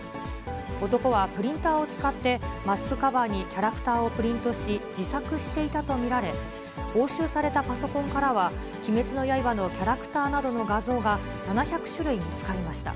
男はプリンターを使って、マスクカバーにキャラクターをプリンとし、自作していたと見られ、押収されたパソコンからは鬼滅の刃のキャラクターなどの画像が７００種類見つかりました。